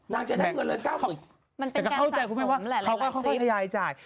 นางจะได้เงินเลยเก้าหมื่นมันเป็นการสะสมคุณแม่ว่าเขาก็ค่อยค่อยทะยายจ่าย